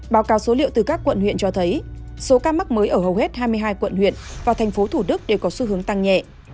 báo cáo số liệu từ các quận huyện cho thấy số ca mắc mới ở hầu hết hai mươi hai quận huyện và tp hcm đều có xu hướng tăng nhẹ